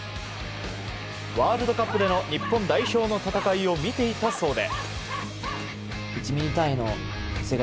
ワールドカップでの日本代表の戦いを見ていたそうで。